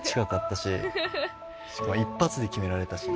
しかも一発で決められたしね。